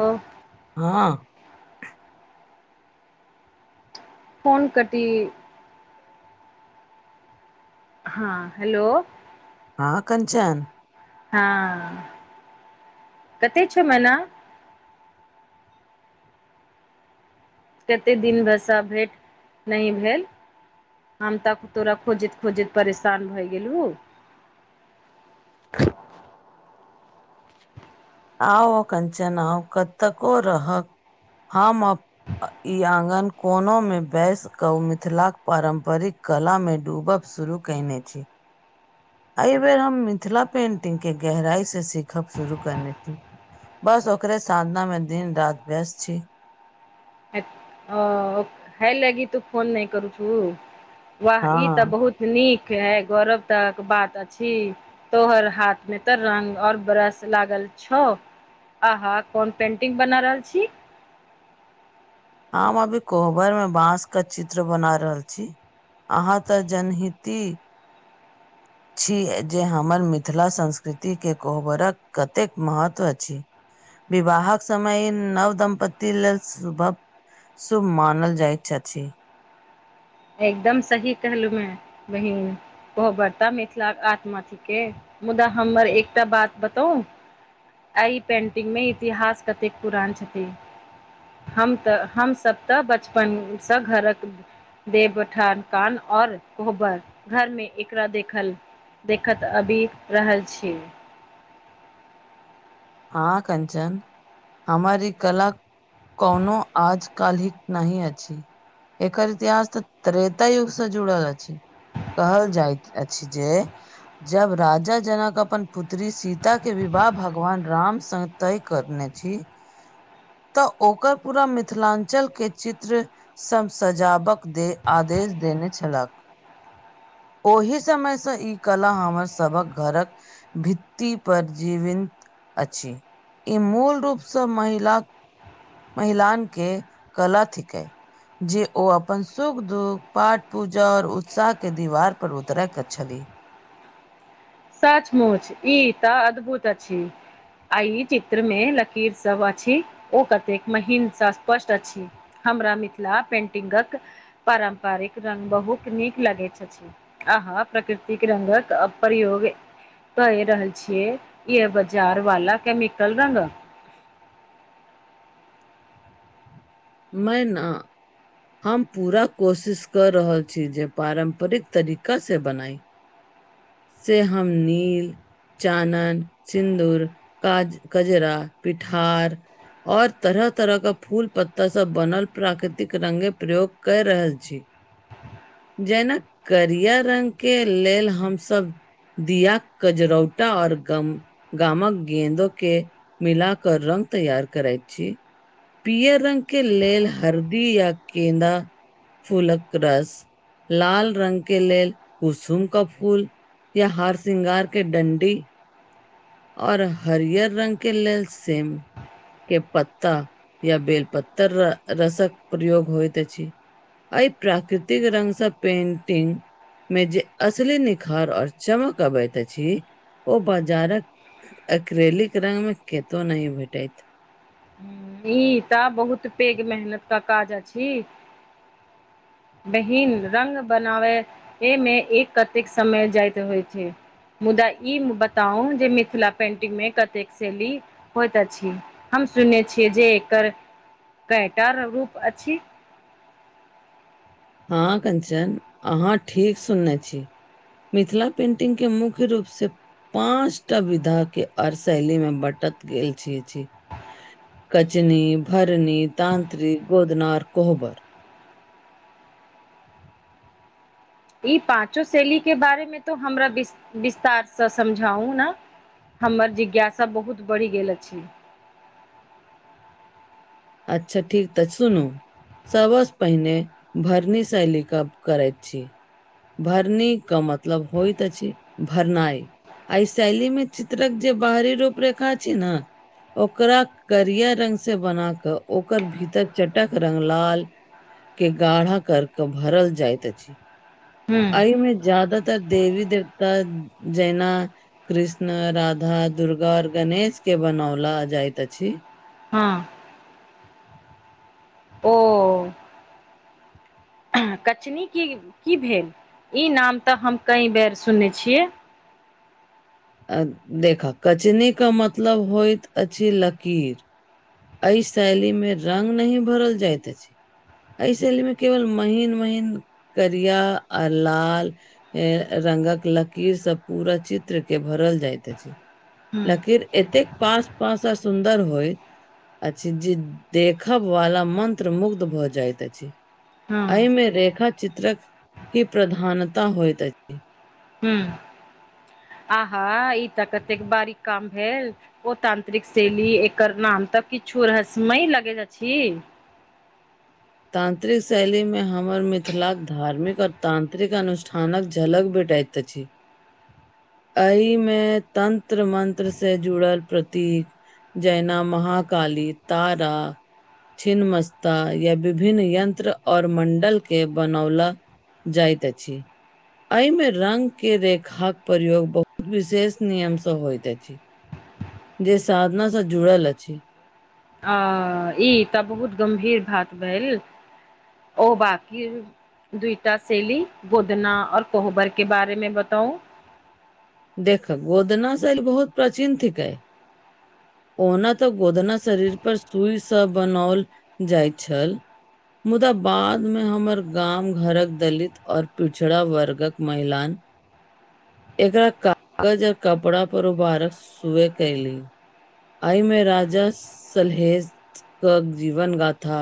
लो हँ फोन कटी हँ हेलो हँ कंचन हँ कते छौ मैना कते दिन भर सऽ भेंट नहि भेल हम तक तोरा खोजैत खोजैत परेशान भए गेलहु [unintelligible] [unintelligible] ई आङ्गन कोनोमे बैसि कऽ उ मिथिलाक पारम्परिक कला मे डूबब शुरू कयने छी। एहिबेर हम मिथिला पेन्टिंग केँ गेहराइ सँ सीखब शुरू कयने छी बस ओकरे साधना मे दिन रात व्यस्त छी ओ हय लगी तू फोन नय [unintelligible] वाह ई तऽ हँ बहुत नीक हइ गौरवता केँ बात अछि तोहर हाथ मे तऽ रंग आओर ब्रश लागल छो आहाँ कोन पेंटिंग बना रहल छी हम अभी कोहबर मे बाँस कऽ चित्र बना रहल छी अहाँ तऽ जनहिति छी जे हमर मिथिला संस्कृति केँ कोहबरक कतेक महत्व अछि विवाहक समय नव दम्पति लेल सुभ सुुभ मानल जाइत छथि एकदम सही कहलू मै बहिन ओ बड़ता मिथिलाक आत्मा थिकेँ मुदा हमर एकटा बात बताउ एहि पेन्टिंगमे इतिहास कतेक पुरान छथि हम तऽ हम सब तऽ बचपन सँ घरक देवउठान कान और कोबर घर मे एकरा देखल देखैत आबि रहल छी हँ कंचन हमर ई कला कोनो आज काल्हिक नहि अछि एकर इतिहास तऽ त्रेता युगसँ जुड़ल अछि कहल जाइत अछि जे जब राजा जनक अपन पुत्री सीता केँ विवाह भगवान राम सँ तय करने छी तऽ ओकर पूरा मिथिलांचल केँ चित्र सम सजावक दे आदेश देने छलाक ओहि समय सँ ई कला हमर सभक घरक भित्ति पर जीविन्त अछि ई मूल रूपसँ महिला महिलाान केँ कला थिकैन जे ओ अपन सुख दुःख पाठ पूजा आओर उत्साह केँ दीवार पर उतरैक छलीह सचमुच ई तऽ अद्भुत अछि आ चित्र मे लकीर सब अछि ओ कतेक महीनसँ स्पष्ट अछि हमरा मिथिला पेंटिंगक पारम्परिक रंग बहुत नीक लगैत छथि आहा प्रकृतिक रंगक अ प्रयोग कैय रहल छियै या बाजारवाला केमिकल रंगक मैना हम पूरा कोशिश कऽ रहल छी जे पारम्परिक तरीकासँ बनाइ [inaudible] से हम नील चानन सिन्दूर का - कजरा पिठार आओर तरह - तरह कऽ फूल पत ओतयसँ बनल प्राकृतिक रंग केँ प्रयोग कैय रहल छी जेना करियर रंग केँ लेल हमसब दियाक कजरोटा आओर गम गामक गेदो केँ मिल कऽ रंग तैयार करै छी पियर रंग केँ लेल हरदी या केेन्दा फूलक रस लाल रंग के लेल कुसुम का फूल या हार शृंगार के डंडी आओर हरियर रंग के लेल सेम के पत्ता या बेलपत्तर रसक प्रयोग होयत अछि। एहि प्राकृतिक रंगसँ पेंटिंग मे जे असली निखार और चमक अबैत अछि ओ बाजारक एक्रेलीक रंग मे केतो नहि भेटैत। ई तऽ बहुत पेघ मेहनत का काज अछि। बहिन रंग बनावै एहिमे एक कतेक समय जाइत होइ छै। मुदा ई बताउ जे मिथिला पेंटिंग मे कतेक शैेली होइत अछि हम सुनने छियै जे एकर कयटा रूप अछि। हँ कंचन अहाँ ठीक सुनने छी मिथिला पेंटिंग के मुख्य रूपसँ पाँच टा विधाके आओर शैलीमे बँटत गेल छियै छी कचनी भरनी तानत्र्रिक गोदना आर कोहबर ई पाँचो शैली के बारे मे तो हमरा विस्तार से समझाउ न हमर जिज्ञासा बहुत बढ़ि गेल अछि। अच्छा ठीक तऽ सुनू सबसँ पहिने भरनी शैली कऽ गप करैत छी। भरनी के मतलब होइत अछि भरनाइ। आइ शैली मे चित्रक जे बाहरी रूप रेखा छी न ओकरा करिया रंग से बना कऽ ओकर भीतर चटक रंग लाल के गाढ़ा कर कऽ भरल जाइत अछि हूँ अइ मे ज्यादा तर देवी देवता जेहिना कृष्ण राधा दुर्गा आओर गणेश के बनौला जाइत अछि। हँ ओ कचनी की की भेल ई नाम तऽ हम कए बेर सुनने छियै। अ देखा कचनी के मतलब होइत अछि लकीर। एहि शैली मे रंग नहि भरल जाइत अछि। एहि शैलीमे केवल महीन महीन करिया आ लाल रंगक लकीर स पूरा चित्र के भरल जाइत अछि। हूँ लकीर एतेक पास पास आ सुंदर होयत अछि जे देखब वाला मन्त्र मुग्ध भऽ जाइत अछि। हूँ एहिमे रेखा चित्रक की प्रधानता होइत अछि। हुँ आहा ई तऽ कतेक बारीक काम भेल। ओ तांन्त्रिक शैली एकर नाम तऽ किछु रहस्यमय लगैत अछि। तान्त्रिक शैलीमे हमर मिथिलाक धार्मिक आओर तांन्त्रिक अनुष्ठानक झलक भेटैत अछि। [inaudible] एहि मे तंत्र मंत्र से जुड़ल प्रतीक। जैना महा काली तारा छिनमस्ता या विभिन्न यंत्र आओर मंडल के बनौला जाइत अछि। एहि मे रंग के रेखाक प्रयोग बहुत विशेष नियमसँ होइत अछि। जे साधनासँ जुड़ल अछि। अ ई तऽ बहुत गम्भीर बात भेल ओ बाकि दुई टा शैली गुदना आओर कोहबर केँ बारे मे बताउ देख गोदना शैली बहुत प्राचीन थिकेँ ओना तऽ गोदना शरीर पर सूइसँ बनाओल जाइ छल मुदा बाद मे हमर गाम घरक दलित आओर पिछड़ा वर्गक महिलान [inaudible] एकरा कागज आर कपड़ा पर उभारक सुऐ केली आइ मे राजा सलहेज कऽ जीवन गाथा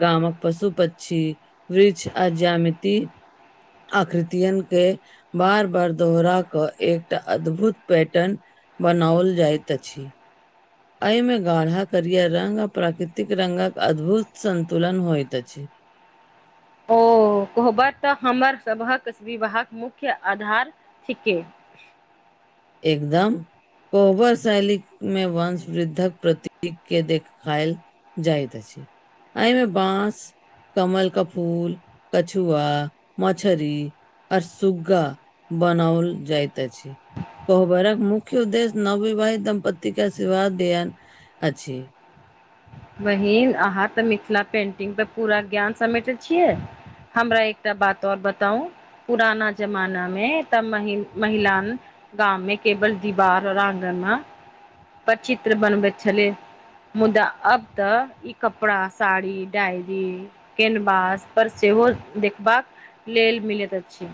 गामक पशु पछी वृक्ष आ जामिती आकृतियन केँ बार - बार दोहरा कऽ एकटा अद्भुत पैटर्न बनाओल जाइत अछि एहिमे गाढ़ा करियर रंग आ प्राकृतिक रंगक अद्भुत संतुलन होइत अछि ओ कोहबर तऽ हमर सभक विवाहक मुख्य आधार थिकेँ एकदम कोहबर शैलीक मे वंश वृद्धक प्रती केँ देखाइल जाइत अछि आइमे बाँस कमल कऽ फूल कछुआ मछरी आ सुग्गा बनाओल जाइत अछि कोहबर मुख्य उद्देश्य नव विवाहित दम्पति कऽ अर्शिवाद दियान अछि बहिन अहाँ तऽ मिथिला पेन्टिंग पर पूरा ज्ञान समेटै छियै हमरा एकटा बात आऔर बताउ पुराना जमाना मे तऽ महि - महिलान गामव मे केवल दीवार रंग नइ पर चित्र बनबैत छलै मुदा अब तऽ ई कपड़ा साड़ी डायरी कैनवास पर सेहो देखबाक लेल मिलैत अछि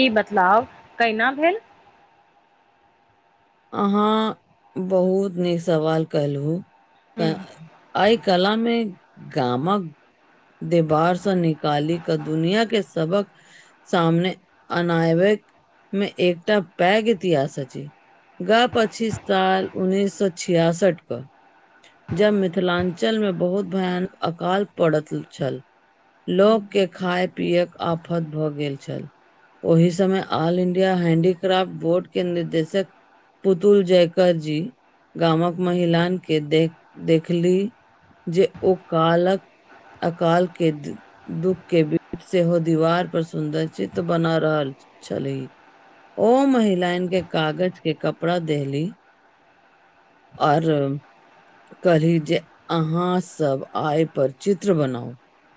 ई बतलाव कैना भेल अहाँ बहुत नीक सवाल कलहुँ तऽ आइ कलामे गामक देबारसँ निकाली कऽ दुनिया केँ सबक सामने अनायवेक मे एकटा पैघ इतिहास अछि गा पचिस साल उन्नैस सौ छियासठ कऽ जब मिथिलांचल मे बहुत भयानक अकाल पड़त छल लोक केँ खाए पियेक आफत भऽ गेल छल ओहि समय ऑल इंडिया हैंडीक्राफ्ट बोर्ड केँ निर्देशक पुतुल जयकर जी गामक महिलान केँ देख देखली जे ओ कालक अकाल केँ [unintelligible] दुःख केँ बिबिध सेहो दीवार पर सुन्दर चित्त बना रहल छलीह ओ महिलाइन केँ कागज केँ कपड़ा देहली आओर कहलि जे अहाँसभ आइपर चित्र बनाउ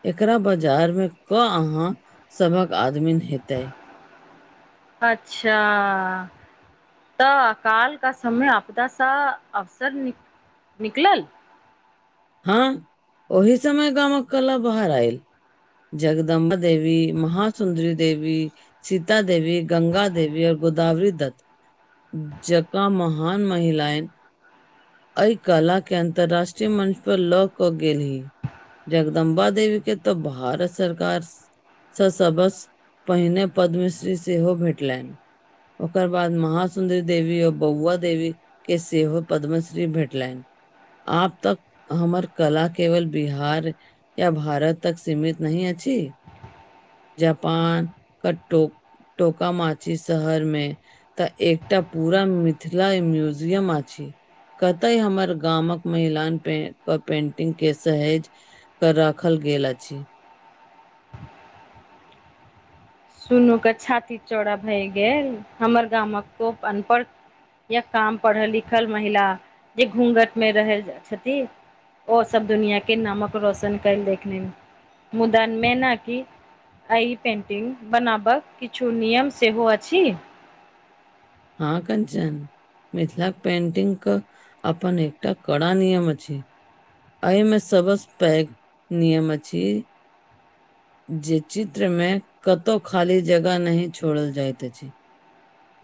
एकरा बाजार मे कऽ अहाँ सभहक आदमीन हेतै अच्छऽ तऽ काल का समय आपदा सा अवसर नि - निकलल हँ ओहि समय गामक कला बाहर आइल जगदम्बा देवी महासुन्दरी देवी सीता देवी गंगा देवी और गोदावरी दत्त जँका महान महिलाइन एहि कला के अन्तर्राष्ट्रीय मंच पर लऽ कऽ गेलि जगदम्बा देवी के तऽ भारत सरकार सऽ सबसे पहिने पद्मश्री सेहो भेटलनि ओकर बाद महासुन्दरी देवी आऔर बौआ देवी के सेहो पद्मश्री भेटलैन आब तऽ- हमर कला केवल बिहार या भारत तक सीमित नहि अछि जापान कटुक टोकामाची शहरमे तऽ एकटा पूरा मिथिला म्यूजियम अछि कतय हमर गामक महिलाान पे के पेंटिंग के सहेज कर राखल गेल अछि सुनू के छाती चौड़ा भए गेल हमर गामक कोप अनपढ़ या कम पढ़ल लिखल महिला जे घूंघट मे रह छथि ओ सभ दुनिया के नामक रोशन कर लेखनि मुदा मेना कि एहि पेन्टिंग कऽ बनाबक किछु नियम सेहो अछि हँ कंचन मिथिलाक पेंटिंग के अपन एकटा कड़ा नियम अछि एहि मे सबसँ पैघ नियम अछि जे चित्र में कतौ खाली जगह नही छोड़ल जाइत अछि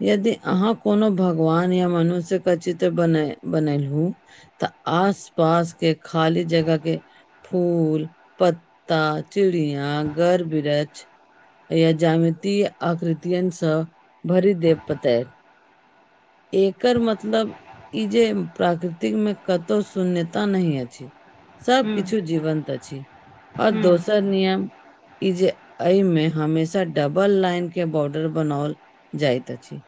यदि अहाँ कोनो भगवान या मनुष्यके चित्र बने बनेलहु तऽ आस पास के खाली जगह के फूल पत्ता चिड़िया घर बृछ या ज्यमिति आकृतियन सऽ भरि देव बतैब एकर मतलब ई जे प्राकृतिकमे कतहु शून्यता नहि अछि हूँ सभकछु जीवन्त अछि आओर हूँ दोसर नियम ई जे एहिमे हमेशा डबल लाइन के बॉर्डर बनाओल जाइत अछि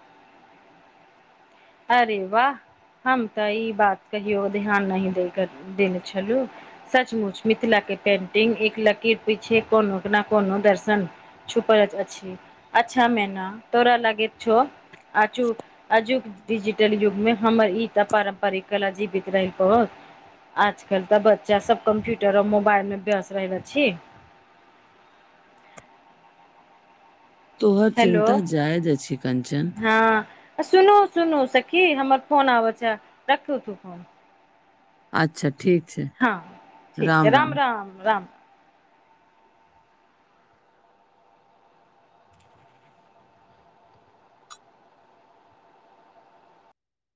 अरे वाह हम तऽ ई बात कहियो ध्यान नहि दे देने छलू सचमुच मिथिला के पेंटिंग एक लकीर पीछे कोन टोकना कोनो दर्शन छुपलक अछि अच्छा मैना तोरा लागैत छौ आजु आजुक डिजिटल युगमे हमर ई तऽ पारम्परिक कला जीवित रहितो आजकल तऽ बच्चा सब कम्प्यूटर आऔर मोबाइल मे व्यस्त रहैत अछि तोहर हेलो चिन्ता जायज अछि कंचन हँ सुनू सुनू सखी हमर फोन आबैत यऽ रखू तू फोन अच्छा ठीक छै, हँ ठीक छै राम राम-राम। राम राम